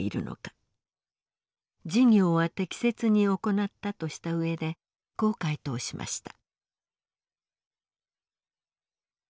事業は適切に行ったとした上でこう回答しました。